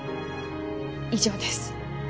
以上です。